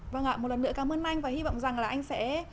vâng ạ một lần nữa cảm ơn anh và hy vọng rằng là anh sẽ